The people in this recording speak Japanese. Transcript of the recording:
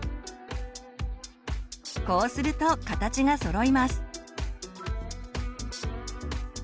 こうすると形がそろいます。